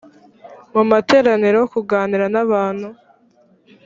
mu materaniro kuganira n abantu